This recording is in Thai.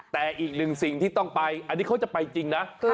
แต่อีกหนึ่งสิ่งที่ต้องไปอันนี้เขาจะไปจริงนะ